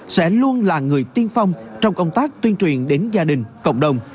sẽ luôn là người tiên phong trong công tác tuyên truyền đến gia đình cộng đồng